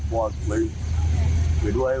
พอไปด้วย